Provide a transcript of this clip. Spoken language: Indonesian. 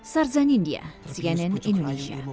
sarjan india cnn indonesia